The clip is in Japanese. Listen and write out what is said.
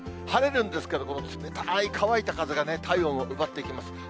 晴れるんですけど、冷たい乾いた風がね、体温を奪っていきます。